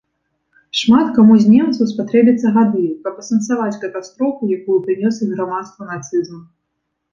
Шмат каму з немцаў спатрэбяцца гады, каб асэнсаваць катастрофу, якую прынёс іх грамадству нацызм.